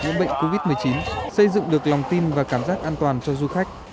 những bệnh covid một mươi chín xây dựng được lòng tin và cảm giác an toàn cho du khách